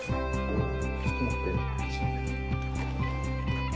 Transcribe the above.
ちょっと待って。